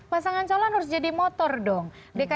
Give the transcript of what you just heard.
pasangan calon harus jadi motor dong